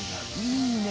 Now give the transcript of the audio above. いいね！